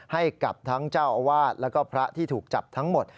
ให้กับทั้งเจ้าอาวาสแล้วก็พระที่ถูกจับทั้งหมด